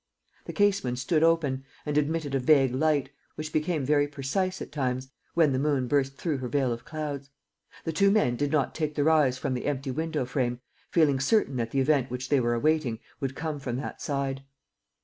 The casement stood open and admitted a vague light, which became very precise at times, when the moon burst through her veil of clouds. The two men did not take their eyes from the empty window frame, feeling certain that the event which they were awaiting would come from that side.